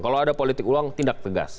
kalau ada politik uang tindak tegas